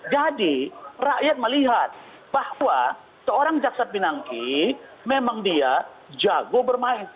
jadi rakyat melihat bahwa seorang jaksa pinangki memang dia jago bermain